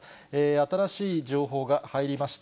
新しい情報が入りました。